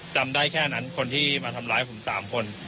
จำได้แค่นั้นคนที่มาทำร้ายผม๓คน